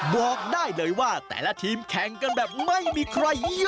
บอกได้เลยว่าแต่ละทีมแข่งกันแบบไม่มีใครเยี่ยม